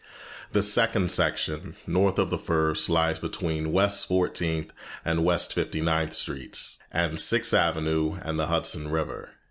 The second section, north of the first, lies between West Fourteenth and West Fifty ninth Streets, and Sixth Avenue and the Hudson River.